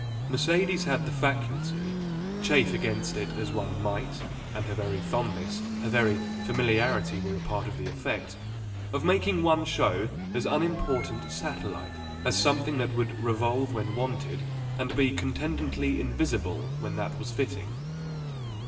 Mercedes had the faculty, chafe against it as one might and her very fondness, her very familiarity were a part of the effect of making one show as an unimportant satellite, as something that would revolve when wanted and be contentedly invisible when that was fitting.